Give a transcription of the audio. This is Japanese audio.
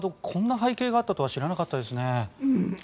こんな背景があったとは知らなかったですね。